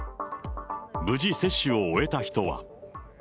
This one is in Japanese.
無事、接種を終えた人は。